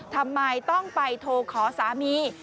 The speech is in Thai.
ทำไมต้องไปโทรขอสามี